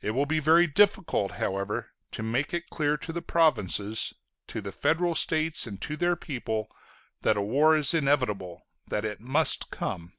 It will be very difficult, however, to make it clear to the provinces, to the federal states and to their people, that a war is inevitable, that it must come.